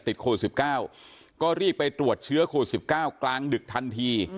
ติดโควิด๑๙ก็รีบไปตรวจเชื้อโควิด๑๙กลางดึกทันที